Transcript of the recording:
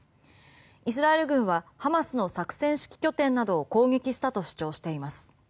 イスラエル軍はハマスの作戦拠点などを攻撃したと主張しています。